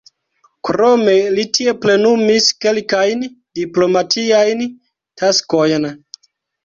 Krome li tie plenumis kelkajn diplomatiajn taskojn.